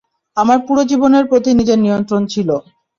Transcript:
আমার পুরো জীবনের প্রতি নিজের নিয়ন্ত্রণ ছিল।